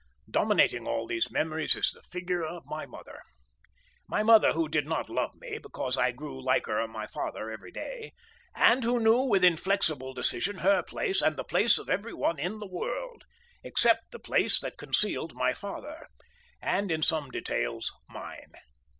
Dominating all these memories is the figure of my mother—my mother who did not love me because I grew liker my father every day—and who knew with inflexible decision her place and the place of every one in the world—except the place that concealed my father—and in some details mine.